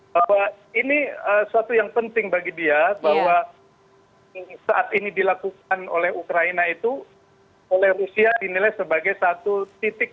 bahwa ini suatu yang penting bagi dia bahwa saat ini dilakukan oleh ukraina itu oleh rusia dinilai sebagai satu titik